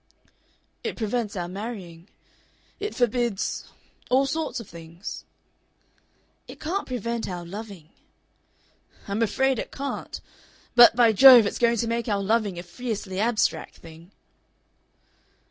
"It prevents our marrying. It forbids all sorts of things." "It can't prevent our loving." "I'm afraid it can't. But, by Jove! it's going to make our loving a fiercely abstract thing."